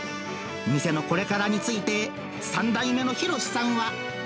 店のこれからについて、３代目の博さんは。